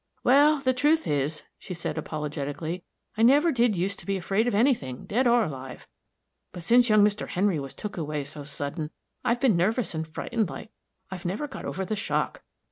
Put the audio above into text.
"Wal, the truth is," she said apologetically, "I never did used to be afraid of any thing, dead or alive. But, since young Mr. Henry was took away so sudden, I've been nervous and frightened like. I've never got over the shock.